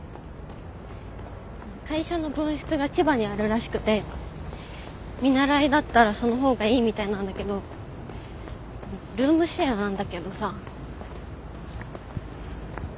会社の分室が千葉にあるらしくて見習いだったらその方がいいみたいなんだけどルームシェアなんだけどさ。